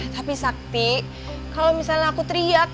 tapi sakti kalau misalnya aku teriak